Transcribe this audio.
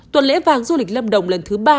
tuần lễ vàng du lịch lâm đồng lần thứ ba